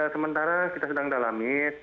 sementara kita sedang dalami